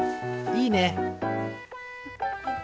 いいね！